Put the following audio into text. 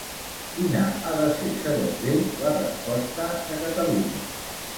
Quina ha de ser segons ell la resposta de Catalunya?